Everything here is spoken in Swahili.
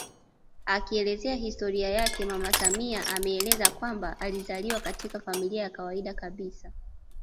Akielezea historia yake mama samia ameelezea kwamba alizaliwa katika familia ya kawaida kabisa